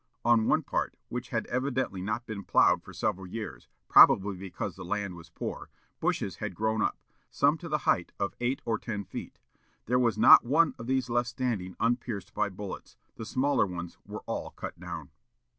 On one part, which had evidently not been ploughed for several years, probably because the land was poor, bushes had grown up, some to the height of eight or ten feet. There was not one of these left standing unpierced by bullets. The smaller ones were all cut down."